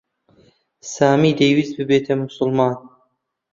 سامی دەیویست ببێتە موسڵمان.